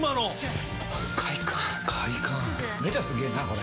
めちゃすげぇなこれ！